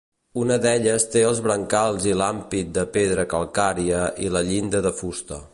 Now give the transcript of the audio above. Una d'elles té els brancals i l'ampit de pedra calcària i la llinda de fusta.